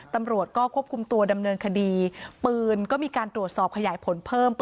ตำรวจก็ควบคุมตัวดำเนินคดีปืนก็มีการตรวจสอบขยายผลเพิ่ม